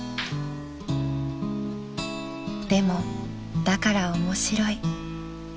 ［でもだから面白い］